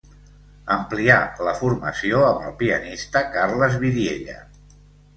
Amplià la formació amb el pianista Carles Vidiella.